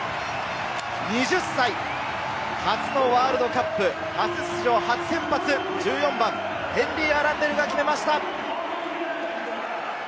２０歳、初のワールドカップ、初出場、初先発、１４番、ヘンリー・アランデルが決めました。